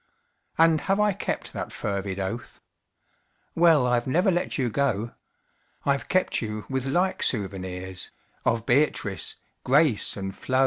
And have I kept that fervid oath? Well I've never let you go: I've kept you with like souvenirs Of Beatrice, Grace and Flo.